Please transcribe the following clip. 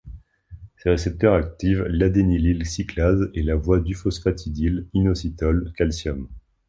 Ces récepteurs activent l'adénylyl cyclase et la voie duphosphatidyl-inositol-calcium.